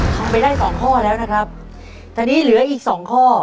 ทำไปได้สองข้อแล้วนะครับตอนนี้เหลืออีกสองข้อ